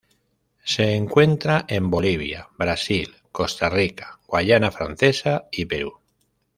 Se encuentra en Bolivia, Brasil, Costa Rica, Guayana Francesa y Perú.